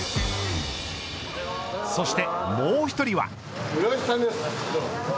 そしてもう１人は。